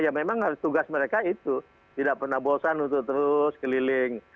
ya memang tugas mereka itu tidak pernah bosan untuk terus keliling